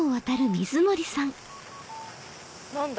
何だ？